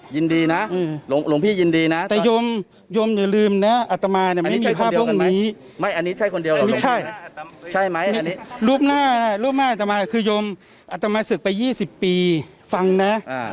ยินดีนะหลวงพี่ยินดีนะ